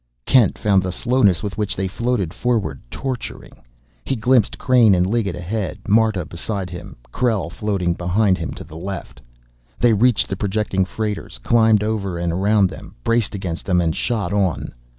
Kent found the slowness with which they floated forward torturing. He glimpsed Crain and Liggett ahead, Marta beside him, Krell floating behind him to the left. They reached the projecting freighters, climbed over and around them, braced against them and shot on.